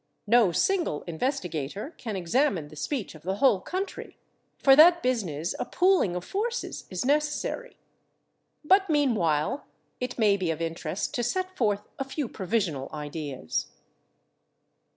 No single investigator can examine the speech of the whole country; for that business a pooling of forces is necessary. But meanwhile it may be of interest to set forth a few provisional ideas.